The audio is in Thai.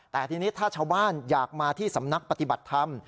แต่ทีนี้ถ้าชาวบ้านอยากมาที่สำนักปฏิบัติธรรม